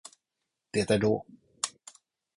Det är då.